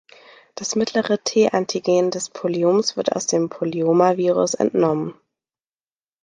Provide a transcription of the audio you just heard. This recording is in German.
Das mittlere T-Antigen des Polyoms wird aus dem Polyomavirus entnommen.